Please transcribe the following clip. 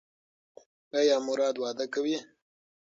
ایا مراد واده کوي؟